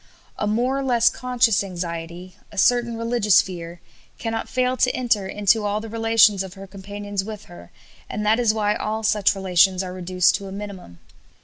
"A more or less conscious anxiety, a certain religious fear, cannot fail to enter into all the relations of her companions with her, and that is why all such relations are reduced to a minimum.